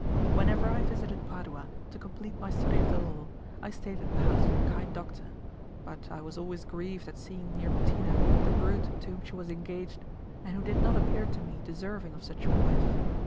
Whenever I visited Padua, to complete my study of the law, I stayed at the house of the kind doctor, but I was always grieved at seeing near Bettina the brute to whom she was engaged, and who did not appear to me deserving of such a wife.